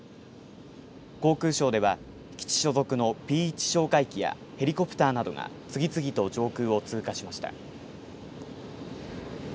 航空ショーでは基地所属のＰ１哨戒機やヘリコプターなどが次々と上空を通過しました。